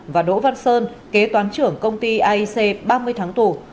và đỗ văn sơn kế toán trưởng công ty aic ba mươi tháng tù